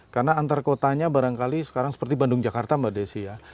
karena antar kotanya barangkali sekarang seperti bandung jakarta mbak desi ya